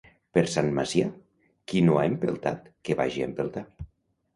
Per Sant Macià, qui no ha empeltat, que vagi a empeltar.